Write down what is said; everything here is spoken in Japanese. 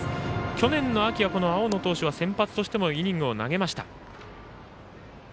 去年の秋は青野投手は先発としてもイニングを投げました。